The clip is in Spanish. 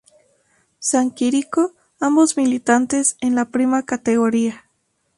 San Quirico, ambos militantes en la "prima categoria".